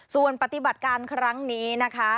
ส่วนปฏิบัติการครั้งนี้นะคะ